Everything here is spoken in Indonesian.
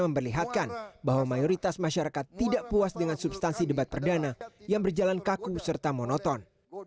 memperlihatkan bahwa mayoritas masyarakat tidak puas dengan substansi debat perdana yang berjalan kaku serta monoton